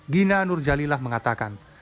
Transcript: gina nurjalilah mengatakan